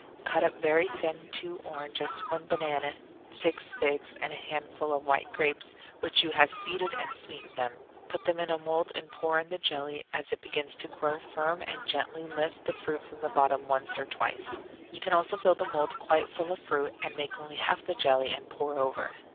Cut up very thin two oranges, one banana, six figs, and a handful of white grapes, which you have seeded, and sweeten them. Put in a mould and pour in the jelly; as it begins to grow firm you can gently lift the fruit from the bottom once or twice. You can also fill the mould quite full of fruit, and make only half the jelly and pour over.